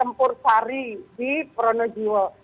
tempur sari di pronojewo